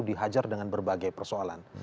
dihajar dengan berbagai persoalan